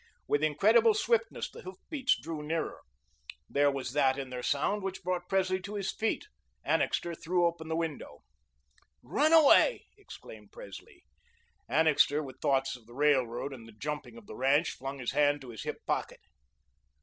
With incredible swiftness, the hoof beats drew nearer. There was that in their sound which brought Presley to his feet. Annixter threw open the window. "Runaway," exclaimed Presley. Annixter, with thoughts of the Railroad, and the "Jumping" of the ranch, flung his hand to his hip pocket.